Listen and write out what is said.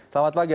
selamat pagi ya